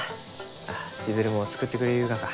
あ千鶴も作ってくれゆうがか？